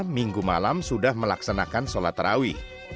minggu malam sudah melaksanakan sholat terawih